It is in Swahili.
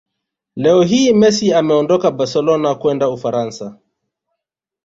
Leo hii Messi ameondoka barcelona kwenda Ufaransa